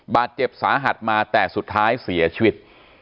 บาดเจ็บสาหัสมาแต่สุดท้ายเสียชีวิต